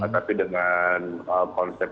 tapi dengan konsep